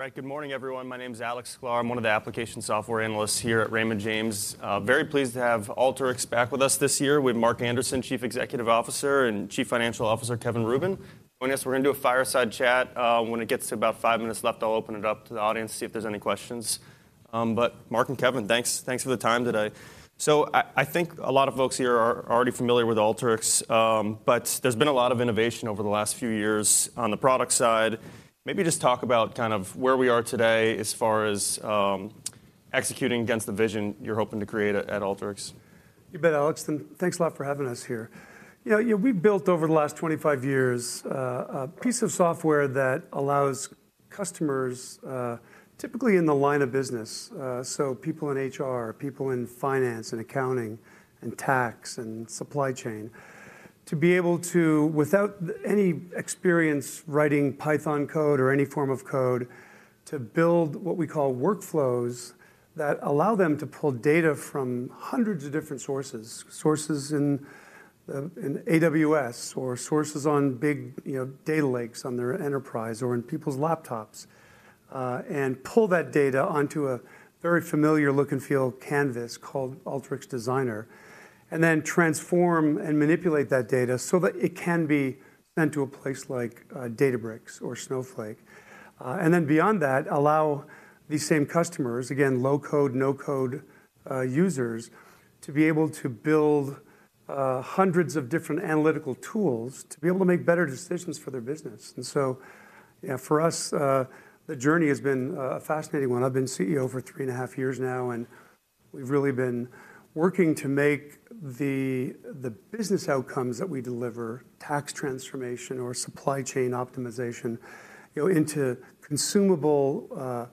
All right. Good morning, everyone. My name is Alex Sklar. I'm one of the application software analysts here at Raymond James. Very pleased to have Alteryx back with us this year with Mark Anderson, Chief Executive Officer, and Chief Financial Officer, Kevin Rubin. And yes, we're gonna do a fireside chat. When it gets to about five minutes left, I'll open it up to the audience to see if there's any questions. But Mark and Kevin, thanks, thanks for the time today. So I think a lot of folks here are already familiar with Alteryx, but there's been a lot of innovation over the last few years on the product side. Maybe just talk about kind of where we are today as far as executing against the vision you're hoping to create at Alteryx. You bet, Alex, and thanks a lot for having us here. You know, yeah, we built over the last 25 years, a piece of software that allows customers, typically in the line of business, so people in HR, people in finance and accounting and tax and supply chain, to be able to, without any experience writing Python code or any form of code, to build what we call workflows that allow them to pull data from hundreds of different sources. Sources in, in AWS, or sources on big, you know, data lakes on their enterprise or in people's laptops, and pull that data onto a very familiar look and feel canvas called Alteryx Designer, and then transform and manipulate that data so that it can be sent to a place like, Databricks or Snowflake. And then beyond that, allow these same customers, again, low-code, no-code, users, to be able to build, hundreds of different analytical tools to be able to make better decisions for their business. And so, yeah, for us, the journey has been, a fascinating one. I've been CEO for 3.5 years now, and we've really been working to make the business outcomes that we deliver, tax transformation or supply chain optimization, you know, into consumable,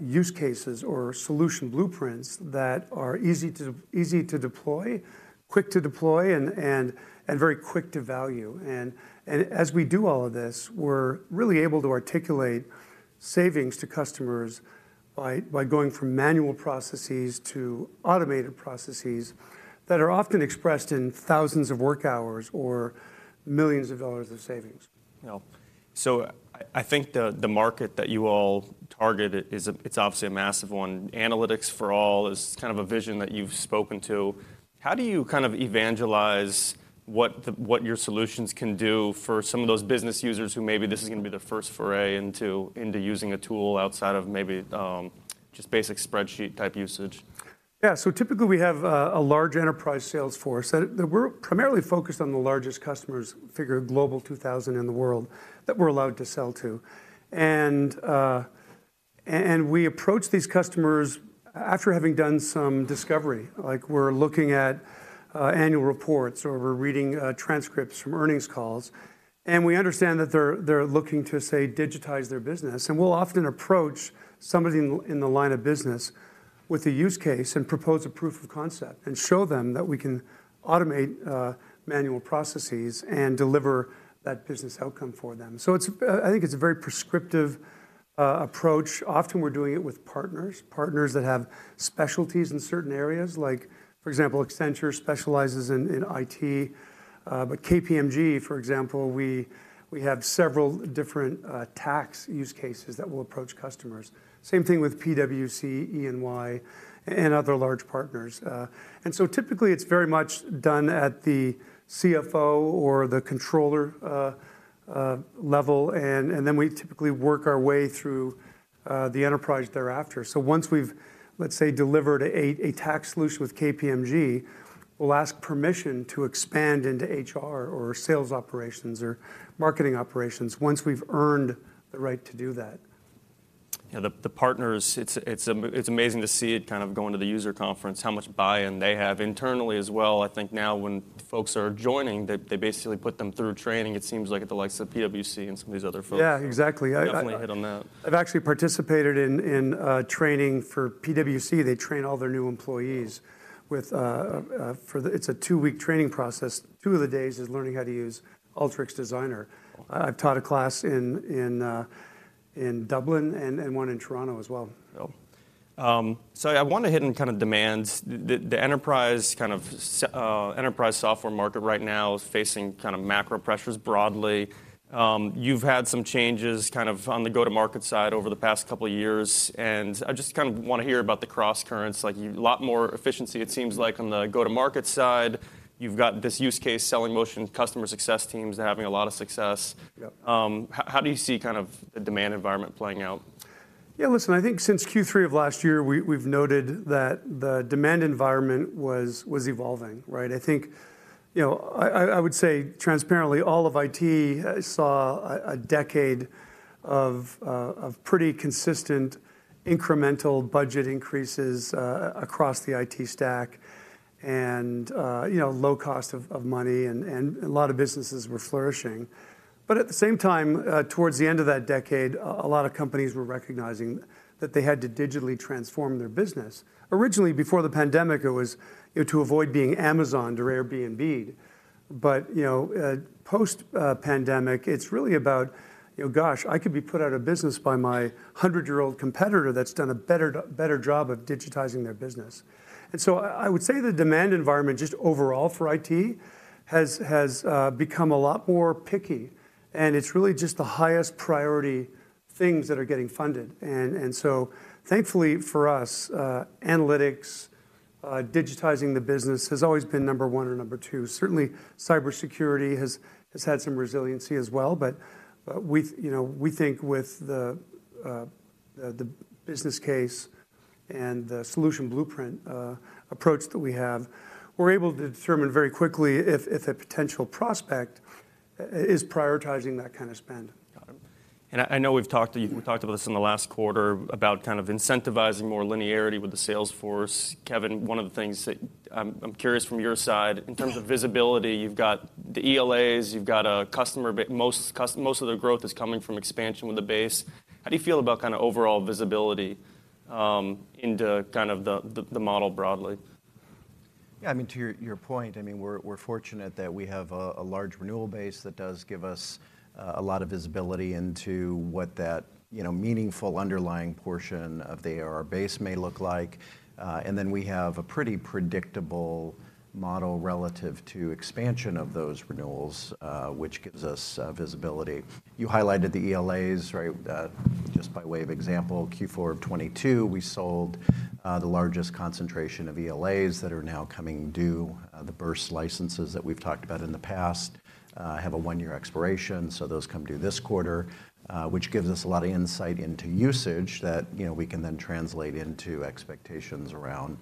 use cases or solution blueprints that are easy to, easy to deploy, quick to deploy, and, and, and very quick to value. And as we do all of this, we're really able to articulate savings to customers by, by going from manual processes to automated processes that are often expressed in thousands of work hours or millions of dollars of savings. Yeah. So I think the market that you all target is, it's obviously a massive one. Analytics for all is kind of a vision that you've spoken to. How do you kind of evangelize what your solutions can do for some of those business users who maybe this is gonna be their first foray into using a tool outside of maybe just basic spreadsheet-type usage? Yeah. So typically, we have a large enterprise sales force that we're primarily focused on the largest customers, the Global 2000 in the world, that we're allowed to sell to. And we approach these customers after having done some discovery. Like, we're looking at annual reports, or we're reading transcripts from earnings calls, and we understand that they're looking to, say, digitize their business. And we'll often approach somebody in the line of business with a use case and propose a proof of concept and show them that we can automate manual processes and deliver that business outcome for them. So it's, I think it's a very prescriptive approach. Often, we're doing it with partners, partners that have specialties in certain areas, like, for example, Accenture specializes in IT, but KPMG, for example, we have several different tax use cases that will approach customers. Same thing with PwC, EY, and other large partners. And so typically, it's very much done at the CFO or the controller level, and then we typically work our way through the enterprise thereafter. So once we've, let's say, delivered a tax solution with KPMG, we'll ask permission to expand into HR or sales operations or marketing operations once we've earned the right to do that. Yeah, the partners, it's amazing to see it kind of going to the user conference, how much buy-in they have internally as well. I think now when folks are joining, they basically put them through training, it seems like at the likes of PwC and some of these other folks. Yeah, exactly. Definitely hit on that. I've actually participated in training for PwC. They train all their new employees for the two-week training process. Two of the days is learning how to use Alteryx Designer. Wow. I've taught a class in Dublin and one in Toronto as well. So I wanna hit on kind of demands. The enterprise software market right now is facing kind of macro pressures broadly. You've had some changes kind of on the go-to-market side over the past couple of years, and I just kind of wanna hear about the crosscurrents, like a lot more efficiency, it seems like, on the go-to-market side. You've got this use case, selling motion, customer success teams, they're having a lot of success. Yep. How do you see kind of the demand environment playing out? Yeah, listen, I think since Q3 of last year, we've noted that the demand environment was evolving, right? I think, you know, I would say transparently, all of IT saw a decade of pretty consistent incremental budget increases across the IT stack and, you know, low cost of money, and a lot of businesses were flourishing. But at the same time, towards the end of that decade, a lot of companies were recognizing that they had to digitally transform their business. Originally, before the pandemic, it was, you know, to avoid being Amazoned or Airbnb-ed. But, you know, post-pandemic, it's really about, "You know, gosh, I could be put out of business by my hundred-year-old competitor that's done a better job of digitizing their business." And so I would say the demand environment, just overall for IT, has become a lot more picky, and it's really just the highest priority things that are getting funded. And so thankfully for us, digitizing the business has always been number one or number two. Certainly, cybersecurity has had some resiliency as well, but we, you know, we think with the business case and the solution blueprint approach that we have, we're able to determine very quickly if a potential prospect is prioritizing that kind of spend. Got it. And I know we've talked about this in the last quarter about kind of incentivizing more linearity with the sales force. Kevin, one of the things that I'm curious from your side, in terms of visibility, you've got the ELAs, you've got a customer base—most of the growth is coming from expansion with the base. How do you feel about kind of overall visibility into kind of the model broadly? Yeah, I mean, to your point, I mean, we're fortunate that we have a large renewal base that does give us a lot of visibility into what that, you know, meaningful underlying portion of the ARR base may look like. And then we have a pretty predictable model relative to expansion of those renewals, which gives us visibility. You highlighted the ELAs, right? Just by way of example, Q4 of 2022, we sold the largest concentration of ELAs that are now coming due. The Burst Licenses that we've talked about in the past have a one-year expiration, so those come due this quarter, which gives us a lot of insight into usage that, you know, we can then translate into expectations around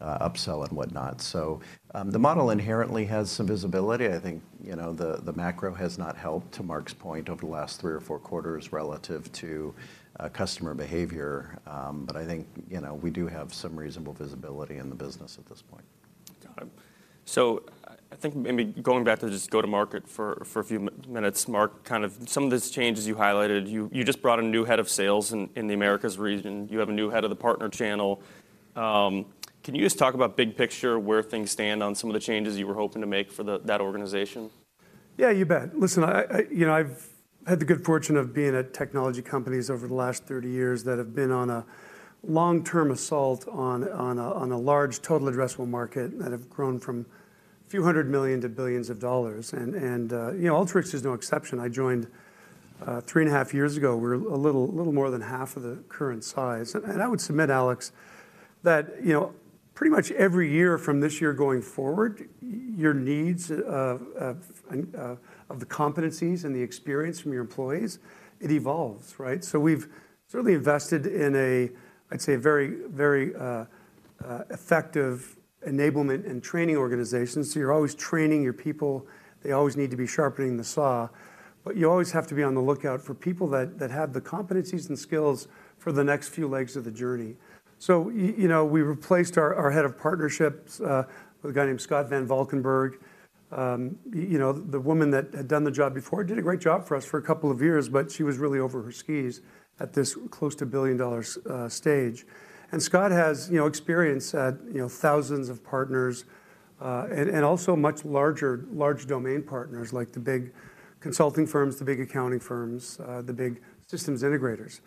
upsell and whatnot. So, the model inherently has some visibility. I think, you know, the macro has not helped, to Mark's point, over the last three or four quarters relative to customer behavior. But I think, you know, we do have some reasonable visibility in the business at this point. Got it. So I think maybe going back to just go-to-market for a few minutes, Mark, kind of some of these changes you highlighted, you just brought a new head of sales in the Americas region. You have a new head of the partner channel. Can you just talk about big picture, where things stand on some of the changes you were hoping to make for that organization? Yeah, you bet. Listen, you know, I've had the good fortune of being at technology companies over the last 30 years that have been on a long-term assault on a large total addressable market that have grown from a few $100 million to $ billions. And you know, Alteryx is no exception. I joined 3.5 years ago. We were a little, little more than half of the current size. And I would submit, Alex, that, you know, pretty much every year from this year going forward, your needs of the competencies and the experience from your employees, it evolves, right? So we've certainly invested in, I'd say, a very, very effective enablement and training organization. So you're always training your people. They always need to be sharpening the saw. But you always have to be on the lookout for people that have the competencies and skills for the next few legs of the journey. So you know, we replaced our head of partnerships with a guy named Scott Van Valkenburgh. You know, the woman that had done the job before did a great job for us for a couple of years, but she was really over her skis at this close to $1 billion stage. And Scott has, you know, experience at, you know, thousands of partners, and also much larger, large domain partners, like the big consulting firms, the big accounting firms, the big systems integrators.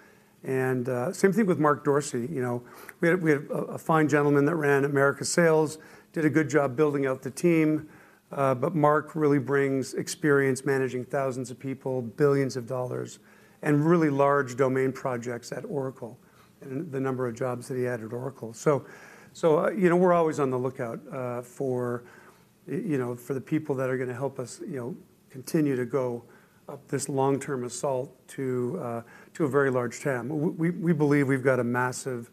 And same thing with Mark Dorsey. You know, we had a fine gentleman that ran Americas Sales, did a good job building out the team. But Mark really brings experience managing thousands of people, billions of dollars, and really large domain projects at Oracle, and the number of jobs that he had at Oracle. So, you know, we're always on the lookout, you know, for the people that are gonna help us, you know, continue to go up this long-term assault to, to a very large TAM. We believe we've got a massive,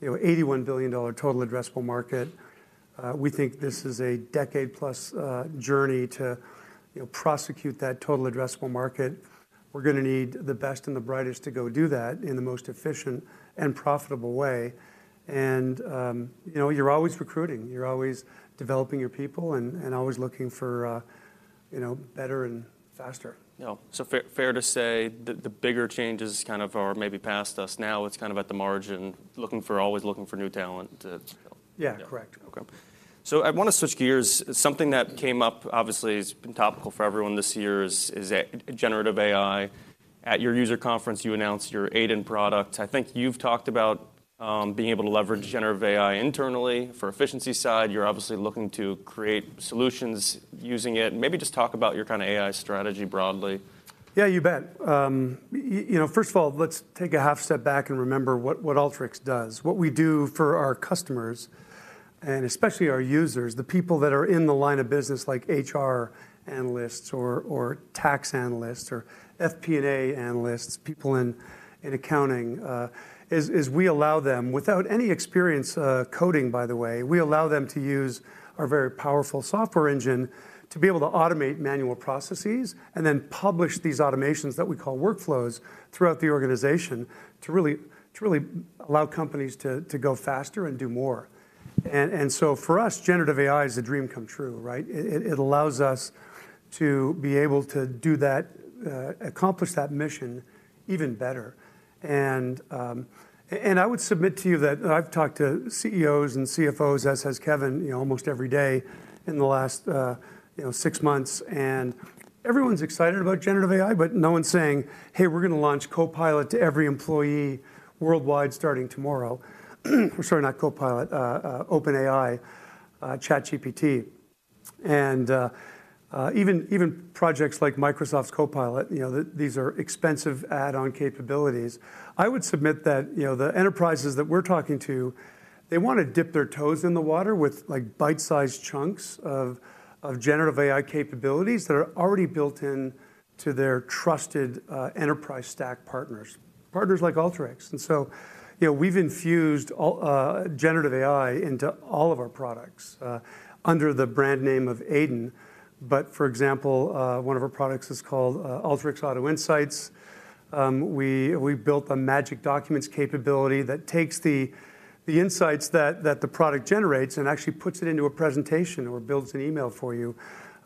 you know, $81 billion total addressable market. We think this is a decade-plus journey to, you know, prosecute that total addressable market. We're gonna need the best and the brightest to go do that in the most efficient and profitable way. And, you know, you're always recruiting, you're always developing your people, and always looking for, you know, better and faster. Yeah. So fair, fair to say that the bigger changes kind of are maybe past us now. It's kind of at the margin, always looking for new talent to... Yeah, correct. Okay. So I want to switch gears. Something that came up, obviously has been topical for everyone this year, is generative AI. At your user conference, you announced your AiDIN product. I think you've talked about being able to leverage generative AI internally. For efficiency side, you're obviously looking to create solutions using it. Maybe just talk about your kind of AI strategy broadly. Yeah, you bet. You know, first of all, let's take a half step back and remember what Alteryx does. What we do for our customers, and especially our users, the people that are in the line of business, like HR analysts or tax analysts, or FP&A analysts, people in accounting, is we allow them, without any experience coding, by the way, we allow them to use our very powerful software engine to be able to automate manual processes and then publish these automations that we call workflows throughout the organization to really allow companies to go faster and do more. And so for us, generative AI is a dream come true, right? It allows us to be able to do that, accomplish that mission even better. And I would submit to you that I've talked to CEOs and CFOs, as has Kevin, you know, almost every day in the last, you know, six months, and everyone's excited about generative AI, but no one's saying: "Hey, we're gonna launch Copilot to every employee worldwide, starting tomorrow." Sorry, not Copilot, OpenAI, ChatGPT... and even projects like Microsoft's Copilot, you know, these are expensive add-on capabilities. I would submit that, you know, the enterprises that we're talking to, they want to dip their toes in the water with, like, bite-sized chunks of generative AI capabilities that are already built into their trusted enterprise stack partners. Partners like Alteryx. And so, you know, we've infused all generative AI into all of our products under the brand name of AiDIN. But for example, one of our products is called Alteryx Auto Insights. We built a Magic Documents capability that takes the insights that the product generates and actually puts it into a presentation or builds an email for you,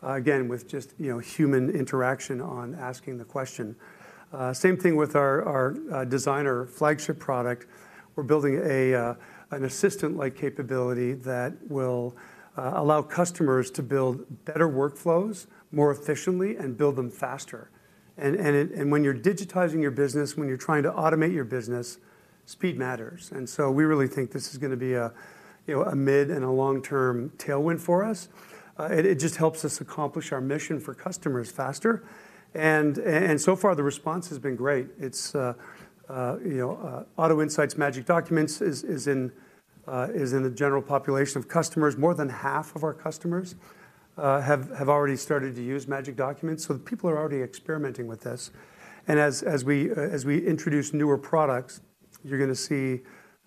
again, with just, you know, human interaction on asking the question. Same thing with our designer flagship product. We're building an assistant-like capability that will allow customers to build better workflows more efficiently and build them faster. And when you're digitizing your business, when you're trying to automate your business, speed matters. And so we really think this is gonna be a, you know, a mid and a long-term tailwind for us. It just helps us accomplish our mission for customers faster. And so far, the response has been great. It's, you know, Auto Insights Magic Documents is in the general population of customers. More than half of our customers have already started to use Magic Documents, so the people are already experimenting with this. And as we introduce newer products, you're gonna see,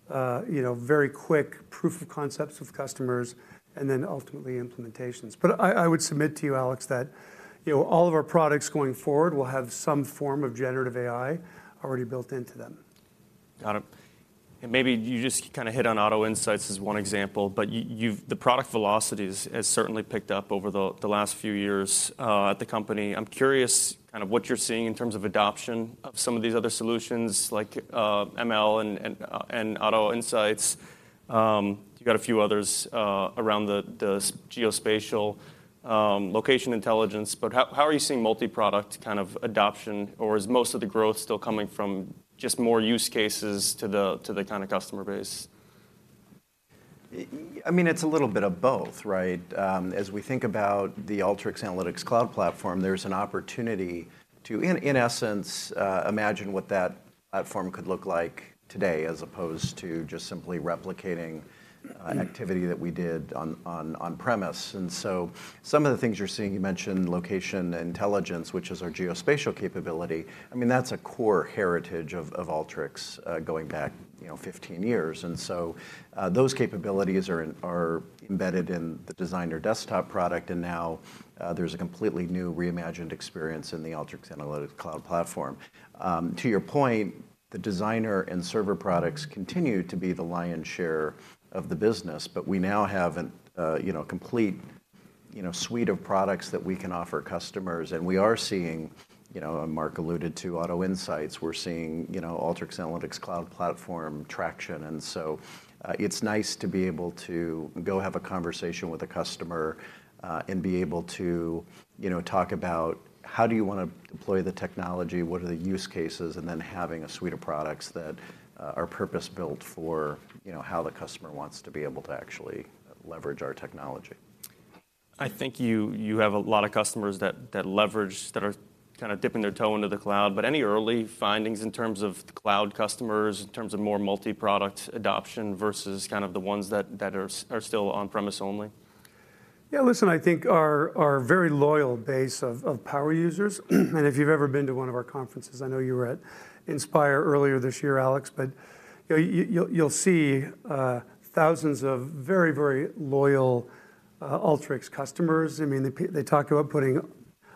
you know, very quick proof of concepts with customers and then ultimately implementations. But I would submit to you, Alex, that, you know, all of our products going forward will have some form of generative AI already built into them. Got it. And maybe you just kind of hit on Auto Insights as one example, but you've... The product velocity has certainly picked up over the last few years at the company. I'm curious kind of what you're seeing in terms of adoption of some of these other solutions, like ML and Auto Insights. You got a few others around the geospatial location intelligence, but how are you seeing multi-product kind of adoption, or is most of the growth still coming from just more use cases to the kind of customer base? I mean, it's a little bit of both, right? As we think about the Alteryx Analytics Cloud Platform, there's an opportunity to, in essence, imagine what that platform could look like today, as opposed to just simply replicating- Mm ... an activity that we did on premise. And so some of the things you're seeing, you mentioned location intelligence, which is our geospatial capability. I mean, that's a core heritage of Alteryx, going back, you know, 15 years. And so, those capabilities are embedded in the Designer desktop product, and now, there's a completely new reimagined experience in the Alteryx Analytics Cloud Platform. To your point, the Designer and Server products continue to be the lion's share of the business, but we now have a complete suite of products that we can offer customers. And we are seeing, you know, and Mark alluded to Auto Insights, we're seeing, you know, Alteryx Analytics Cloud platform traction. And so, it's nice to be able to go have a conversation with a customer, and be able to, you know, talk about: How do you wanna deploy the technology? What are the use cases? And then having a suite of products that are purpose-built for, you know, how the customer wants to be able to actually leverage our technology. I think you have a lot of customers that are kind of dipping their toe into the cloud. But any early findings in terms of cloud customers, in terms of more multi-product adoption versus kind of the ones that are still on-premise only? Yeah, listen, I think our very loyal base of power users, and if you've ever been to one of our conferences, I know you were at Inspire earlier this year, Alex, but, you know, you'll see thousands of very, very loyal Alteryx customers. I mean, they talk about putting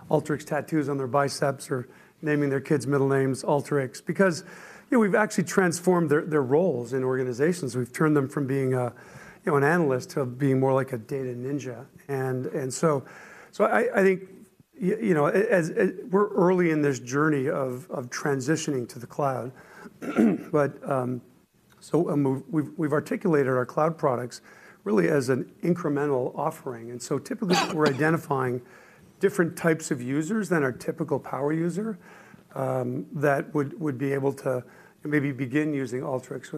Alteryx tattoos on their biceps or naming their kids' middle names Alteryx because, you know, we've actually transformed their roles in organizations. We've turned them from being a, you know, an analyst to being more like a data ninja. And so I think, you know, as we're early in this journey of transitioning to the cloud. But so we've articulated our cloud products really as an incremental offering. And so typically-... We're identifying different types of users than our typical power user that would be able to maybe begin using Alteryx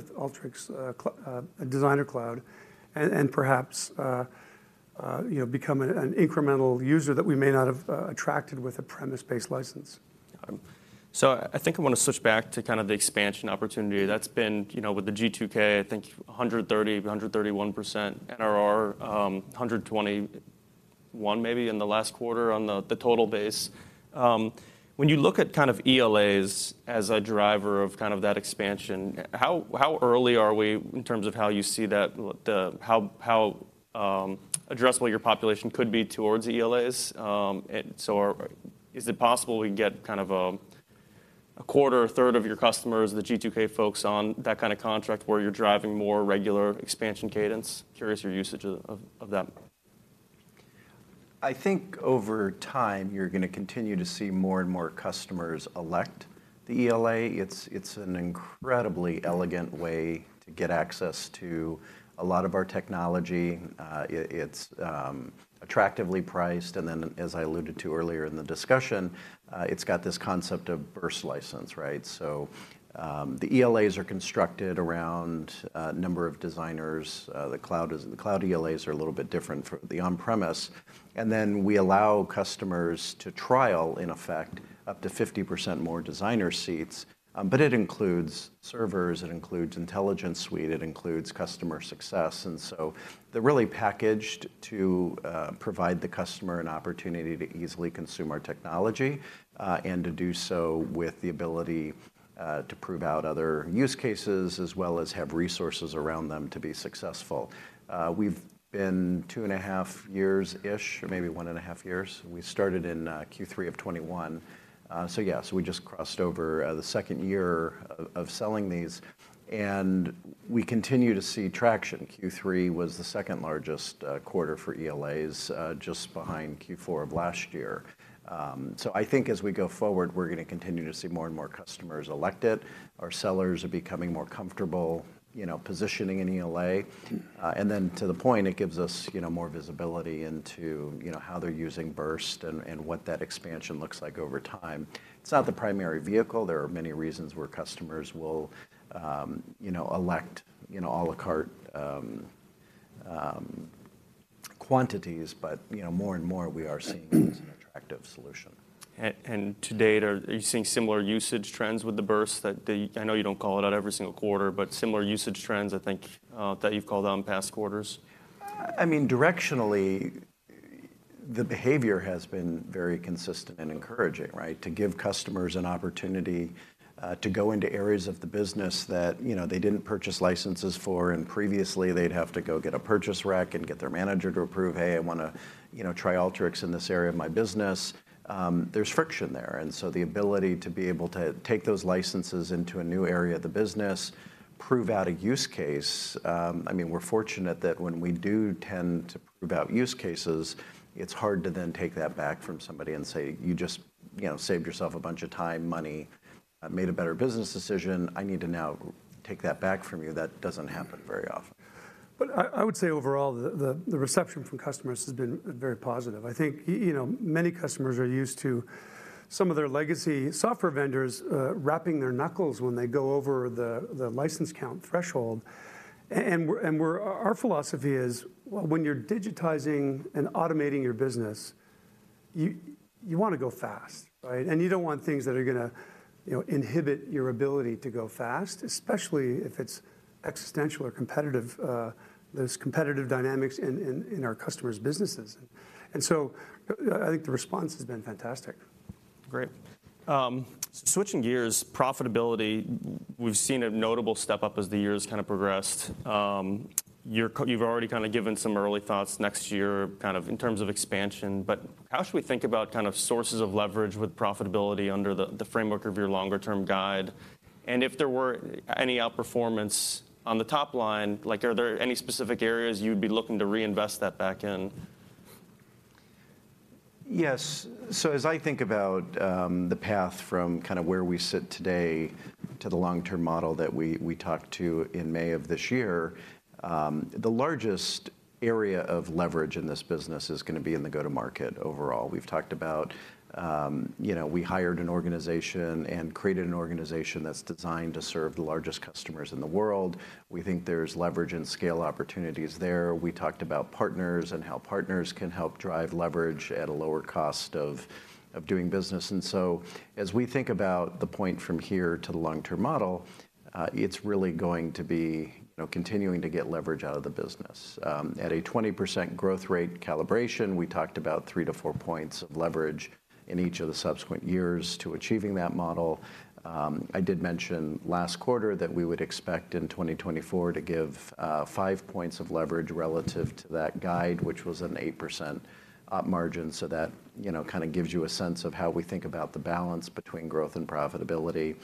Designer Cloud, and perhaps, you know, become an incremental user that we may not have attracted with a premise-based license. So I think I want to switch back to kind of the expansion opportunity. That's been, you know, with the G2K, I think 131% NRR, 121 maybe in the last quarter on the total base. When you look at kind of ELAs as a driver of kind of that expansion, how early are we in terms of how you see that, the how addressable your population could be towards ELAs? And so is it possible we get kind of a quarter or a third of your customers, the G2K folks, on that kind of contract where you're driving more regular expansion cadence? Curious your usage of that. I think over time, you're gonna continue to see more and more customers elect the ELA. It's an incredibly elegant way to get access to a lot of our technology. It is attractively priced, and then as I alluded to earlier in the discussion, it's got this concept of burst license, right? So, the ELAs are constructed around a number of designers, the cloud ELAs are a little bit different from the on-premise, and then we allow customers to trial, in effect, up to 50% more designer seats. But it includes servers, it includes Intelligence Suite, it includes customer success. They're really packaged to provide the customer an opportunity to easily consume our technology, and to do so with the ability to prove out other use cases, as well as have resources around them to be successful. We've been 2.5 years-ish, or maybe 1.5 years. We started in Q3 of 2021. So yeah, so we just crossed over the second year of selling these, and we continue to see traction. Q3 was the second largest quarter for ELAs, just behind Q4 of last year. So I think as we go forward, we're going to continue to see more and more customers elect it. Our sellers are becoming more comfortable, you know, positioning in ELA. And then to the point, it gives us, you know, more visibility into, you know, how they're using Burst and what that expansion looks like over time. It's not the primary vehicle. There are many reasons where customers will, you know, elect, you know, à la carte quantities, but, you know, more and more we are seeing it as an attractive solution. And to date, are you seeing similar usage trends with the burst that the... I know you don't call it out every single quarter, but similar usage trends, I think, that you've called out in past quarters? I mean, directionally, the behavior has been very consistent and encouraging, right? To give customers an opportunity to go into areas of the business that, you know, they didn't purchase licenses for, and previously they'd have to go get a purchase rec and get their manager to approve, "Hey, I want to, you know, try Alteryx in this area of my business." There's friction there, and so the ability to be able to take those licenses into a new area of the business, prove out a use case, I mean, we're fortunate that when we do tend to prove out use cases, it's hard to then take that back from somebody and say: "You just, you know, saved yourself a bunch of time, money, made a better business decision. I need to now take that back from you." That doesn't happen very often. But I would say overall, the reception from customers has been very positive. I think, you know, many customers are used to some of their legacy software vendors rapping their knuckles when they go over the license count threshold. And our philosophy is, when you're digitizing and automating your business, you want to go fast, right? And you don't want things that are going to, you know, inhibit your ability to go fast, especially if it's existential or competitive, those competitive dynamics in our customers' businesses. And so I think the response has been fantastic. Great. Switching gears, profitability, we've seen a notable step up as the years kind of progressed. You've already kind of given some early thoughts next year, kind of in terms of expansion, but how should we think about kind of sources of leverage with profitability under the framework of your longer term guide? And if there were any outperformance on the top line, like, are there any specific areas you'd be looking to reinvest that back in? Yes. So as I think about the path from kind of where we sit today to the long-term model that we talked to in May of this year, the largest area of leverage in this business is going to be in the go-to-market overall. We've talked about, you know, we hired an organization and created an organization that's designed to serve the largest customers in the world. We think there's leverage and scale opportunities there. We talked about partners and how partners can help drive leverage at a lower cost of doing business. And so as we think about the point from here to the long-term model, it's really going to be, you know, continuing to get leverage out of the business. At a 20% growth rate calibration, we talked about 3-4-points of leverage in each of the subsequent years to achieving that model. I did mention last quarter that we would expect in 2024 to give five points of leverage relative to that guide, which was an 8% up margin. So that, you know, kind of gives you a sense of how we think about the balance between growth and profitability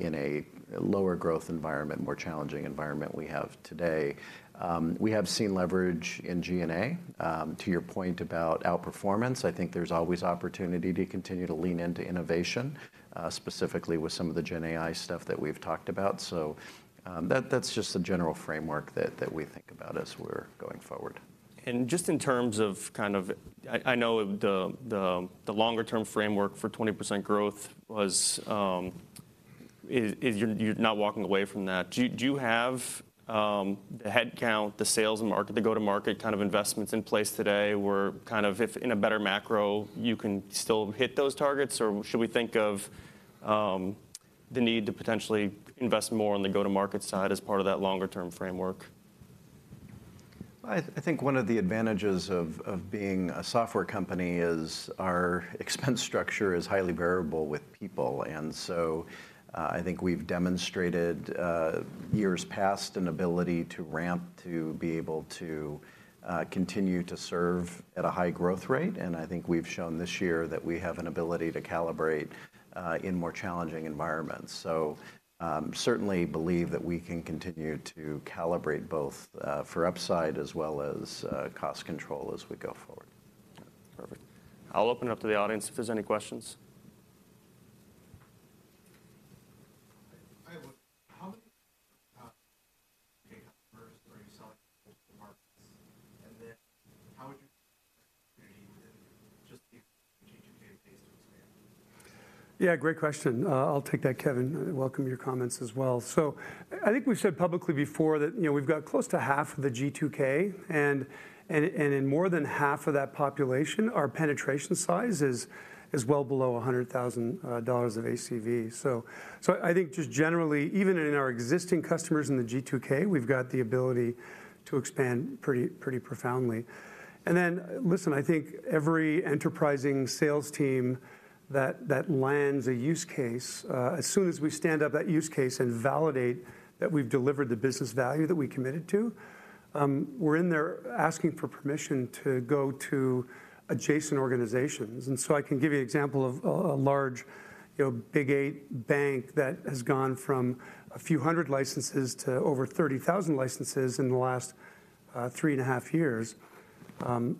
in a lower growth environment, more challenging environment we have today. We have seen leverage in G&A. To your point about outperformance, I think there's always opportunity to continue to lean into innovation, specifically with some of the GenAI stuff that we've talked about. So, that, that's just the general framework that we think about as we're going forward. Just in terms of kind of... I know the longer term framework for 20% growth was, is you're not walking away from that. Do you have the head count, the sales market, the go-to-market kind of investments in place today, where kind of, if in a better macro, you can still hit those targets? Or should we think of the need to potentially invest more on the go-to-market side as part of that longer term framework? I think one of the advantages of being a software company is our expense structure is highly variable with people. And so, I think we've demonstrated years past an ability to ramp, to be able to continue to serve at a high growth rate, and I think we've shown this year that we have an ability to calibrate in more challenging environments. So, certainly believe that we can continue to calibrate both for upside as well as cost control as we go forward.... Perfect. I'll open it up to the audience if there's any questions. I have one. How many customers are you selling to markets? And then how would you Yeah, great question. I'll take that, Kevin, and welcome your comments as well. So I think we've said publicly before that, you know, we've got close to half of the G2K, and in more than half of that population, our penetration size is well below $100,000 of ACV. So I think just generally, even in our existing customers in the G2K, we've got the ability to expand pretty profoundly. And then, listen, I think every enterprising sales team that lands a use case, as soon as we stand up that use case and validate that we've delivered the business value that we committed to, we're in there asking for permission to go to adjacent organizations. I can give you an example of a large, you know, Big Eight bank that has gone from a few hundred licenses to over 30,000 licenses in the last 3.5 years.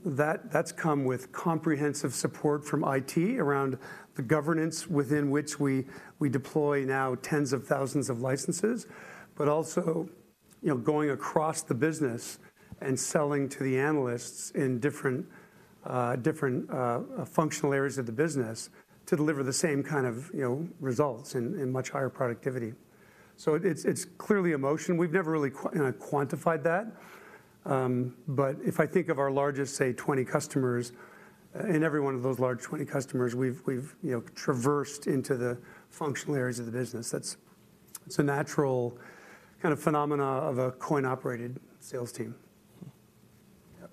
That's come with comprehensive support from IT around the governance within which we deploy now tens of thousands of licenses, but also, you know, going across the business and selling to the analysts in different functional areas of the business to deliver the same kind of, you know, results and much higher productivity. So it's clearly a motion. We've never really kinda quantified that, but if I think of our largest, say, 20 customers, in every one of those large 20 customers, we've, you know, traversed into the functional areas of the business. That's... It's a natural kind of phenomena of a coin-operated sales team. Yeah.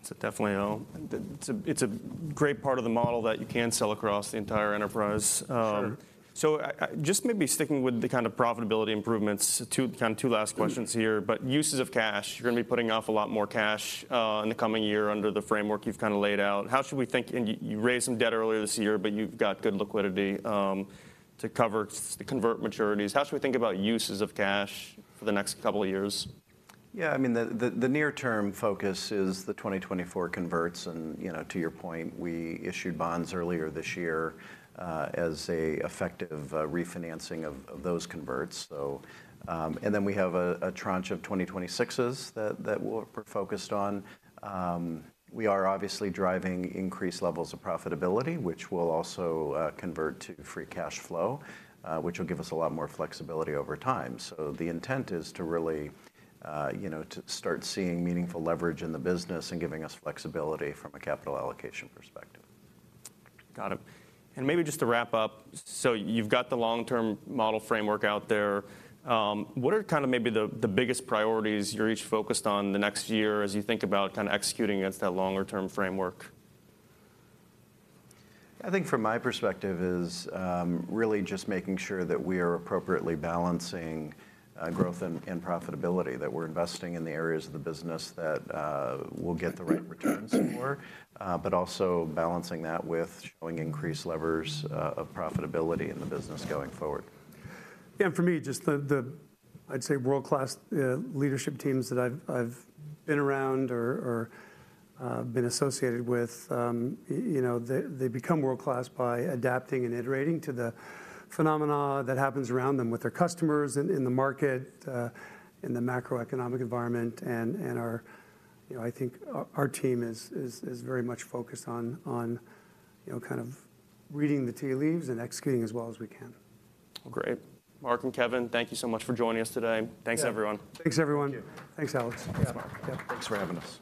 It's definitely a great part of the model that you can sell across the entire enterprise. Sure. So I just maybe sticking with the kind of profitability improvements, two, kind of two last questions here. Sure. But uses of cash, you're going to be putting off a lot more cash, in the coming year under the framework you've kind of laid out. How should we think. You, you raised some debt earlier this year, but you've got good liquidity, to cover, to convert maturities. How should we think about uses of cash for the next couple of years? Yeah, I mean, the near-term focus is the 2024 converts, and, you know, to your point, we issued bonds earlier this year, as an effective refinancing of those converts, so. And then we have a tranche of 2026s that we're focused on. We are obviously driving increased levels of profitability, which will also convert to free cash flow, which will give us a lot more flexibility over time. So the intent is to really, you know, to start seeing meaningful leverage in the business and giving us flexibility from a capital allocation perspective. Got it. And maybe just to wrap up, so you've got the long-term model framework out there. What are kind of maybe the biggest priorities you're each focused on in the next year as you think about kind of executing against that longer-term framework? I think from my perspective is really just making sure that we are appropriately balancing growth and profitability, that we're investing in the areas of the business that will get the right returns for, but also balancing that with showing increased levers of profitability in the business going forward. Yeah, for me, just the I'd say world-class leadership teams that I've been around or been associated with, you know, they become world-class by adapting and iterating to the phenomena that happens around them with their customers, in the market, in the macroeconomic environment. You know, I think our team is very much focused on, you know, kind of reading the tea leaves and executing as well as we can. Great. Mark and Kevin, thank you so much for joining us today. Yeah. Thanks, everyone. Thanks, everyone. Thank you. Thanks, Alex. Yeah. Thanks for having us.